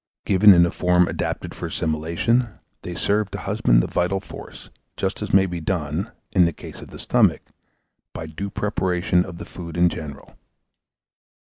Given in a form adapted for assimilation, they serve to husband the vital force, just as may be done, in the case of the stomach, by due preparation of the food in general.